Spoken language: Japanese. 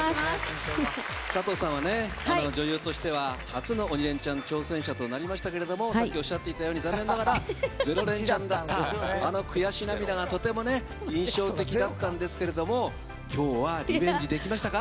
佐藤さんは、女優としては初の「鬼レンチャン」の挑戦者となりましたけれども残念ながらゼロレンチャンだったあの悔し涙がとても印象的だったんですけれども今日は、リベンジできましたか。